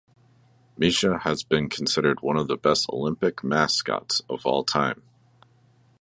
Misha has been considered one of the best Olympic mascots of all time.